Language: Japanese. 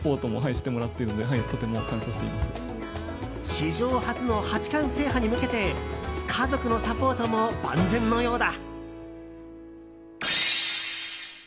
史上初の八冠制覇に向けて家族のサポートも万全のようだ。